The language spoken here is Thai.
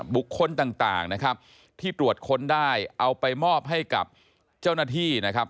บุคคลต่างนะครับที่ตรวจค้นได้เอาไปมอบให้กับเจ้าหน้าที่นะครับ